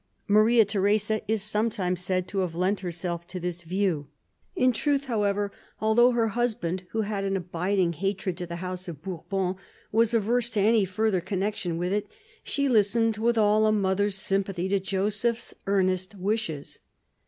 Maria Theresa is sometimes said to have lent herself to this view. In truth, how ever, although her husband, who had an abiding hatred to the House of Bourbon, was averse to any further con nection with it, she listened with all a mother's sympathy to Joseph's earnest wishes.